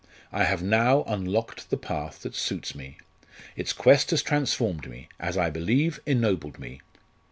I have now unlocked the path that suits me. Its quest has transformed me as I believe, ennobled me.